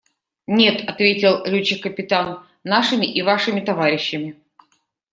– Нет, – ответил летчик-капитан, – нашими и вашими товарищами.